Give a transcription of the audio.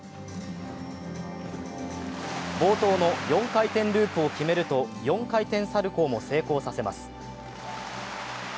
冒頭の４回転ループを決めると４回転サルコウも成功させます。